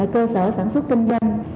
cơ sở sản xuất kinh doanh